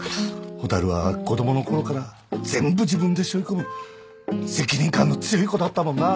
蛍は子供のころから全部自分でしょい込む責任感の強い子だったもんなあ。